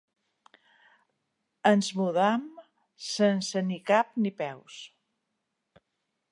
Ens mudem sense ni cap ni peus.